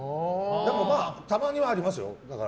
でも、たまにはありますよ。